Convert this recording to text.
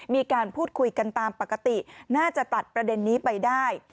มีการพูดคุยกันตามปกติน่าจะตัดประเด็นนี้ไปได้